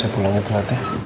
saya pulangin teratnya